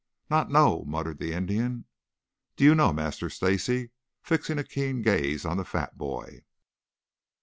"Not know," muttered the Indian. "Do you know, Master Stacy?" fixing a keen gaze on the fat boy.